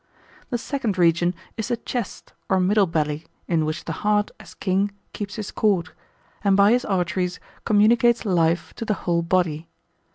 The second region is the chest, or middle belly, in which the heart as king keeps his court, and by his arteries communicates life to the whole body.